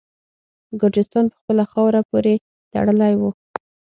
ګرجستان په خپله خاوره پوري تړلی وو.